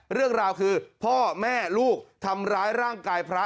เรื่องราวคือพ่อแม่ลูกทำร้ายร่างกายพระ